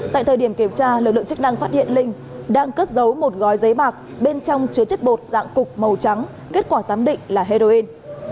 tại thời điểm kiểm tra lực lượng chức năng phát hiện linh đang cất giấu một gói giấy bạc bên trong chứa chất bột dạng cục màu trắng kết quả giám định là heroin